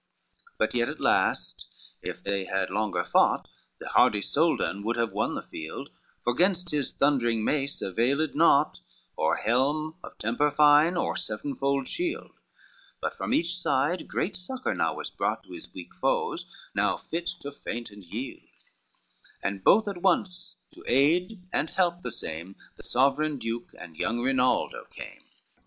XLVI But yet at last if they had longer fought The hardy Soldan would have won the field; For gainst his thundering mace availed naught Or helm of temper fine or sevenfold shield: But from each side great succor now was brought To his weak foes, now fit to faint and yield, And both at once to aid and help the same The sovereign Duke and young Rinaldo came.